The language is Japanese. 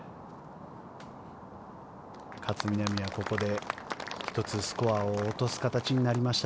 勝みなみはここで１つスコアを落とす形になりました。